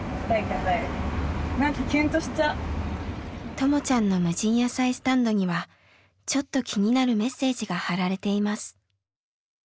ともちゃんの無人野菜スタンドにはちょっと気になるメッセージが貼られています。